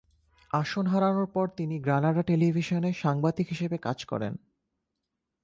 আসন হারানোর পর তিনি গ্রানাডা টেলিভিশনে সাংবাদিক হিসেবে কাজ করেন।